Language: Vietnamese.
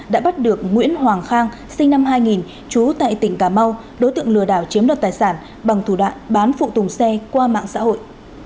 đã bắt được nguyễn hoàng khang sinh năm hai nghìn trú tại tỉnh cà mau đối tượng lừa đảo chiếm đoạt tài sản bằng thủ đoạn bán phụ tùng xe qua mạng xã hội